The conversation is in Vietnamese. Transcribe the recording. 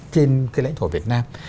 trên cái lãnh thổ việt nam